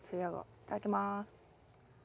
いただきます。